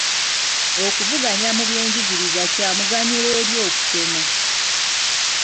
Okuvuganya mu byenjigiriza kya muganyulo eri okusoma.